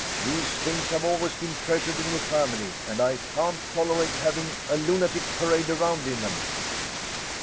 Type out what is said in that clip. These things have always been treasured in the family, and I can't tolerate having a lunatic parade around in them."